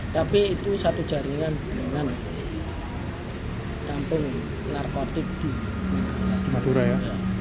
tapi itu satu jaringan dengan kampung narkotik di madura ya